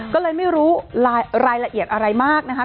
ก็เลยไม่รู้รายละเอียดอะไรมากนะคะ